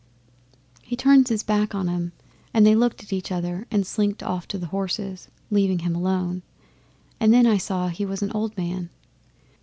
'He turns his back on 'em and they looked at each other and slinked off to the horses, leaving him alone: and then I saw he was an old man.